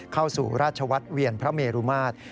เข้าสู่ราชวัฒน์เวียนพระเมรุมาตร